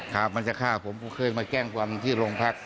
ครับมันจะฆ่าผมก็เคยมาแจ้งความที่โรงพัก